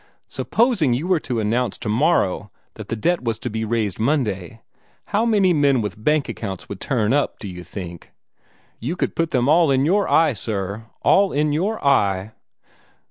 Supposing you were to announce tomorrow that the debt was to be raised Monday. How many men with bank accounts would turn up, do you think? You could put them all in your eye, sir all in your eye!"